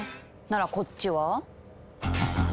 ならこっちは？